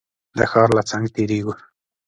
د ښار له څنګ تېرېږو.